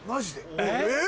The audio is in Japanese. えっ！